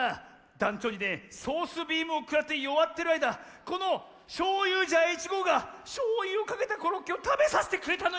だんちょうにねソースビームをくらってよわってるあいだこのショーユージャー１ごうがしょうゆをかけたコロッケをたべさせてくれたのよ。